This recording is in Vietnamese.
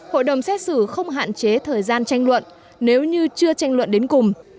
hội đồng xét xử không hạn chế thời gian tranh luận nếu như chưa tranh luận đến cùng